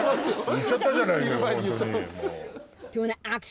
言っちゃったじゃないのよ。